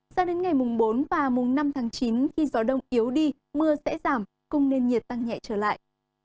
sao đến ngày bốn và năm tháng chín khi gió đông yếu đi mưa sẽ giảm cung nền nhiệt tăng nhẹ trở lại